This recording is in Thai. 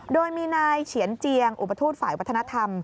โดยมีนายเฉียนเจียงอุปทูตฝ่ายวัฒนธรรม